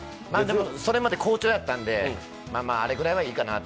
それまで好調やったんで、あれぐらいはいいかなと。